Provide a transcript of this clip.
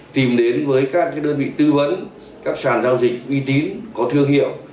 tìm đến với các đơn vị tư vấn các sản giao dịch uy tín có thương hiệu